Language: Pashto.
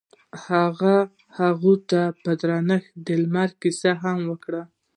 هغه هغې ته په درناوي د لمر کیسه هم وکړه.